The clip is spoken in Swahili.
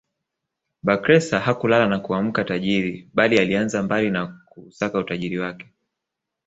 Bakhresa hakulala na kuamka tajiri bali alianzia mbali kuusaka utajiri wake